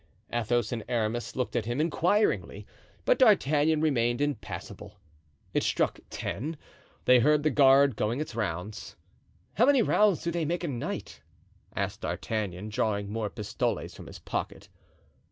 Athos and Aramis looked at him inquiringly. But D'Artagnan remained impassible. It struck ten. They heard the guard going its rounds. "How many rounds do they make a night?" asked D'Artagnan, drawing more pistoles from his pocket.